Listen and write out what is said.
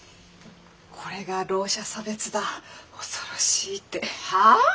これがろう者差別だ恐ろしいって。はあ！？